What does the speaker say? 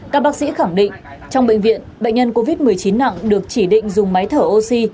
các bác sĩ khẳng định trong bệnh viện bệnh nhân covid một mươi chín nặng được chỉ định dùng máy thở oxy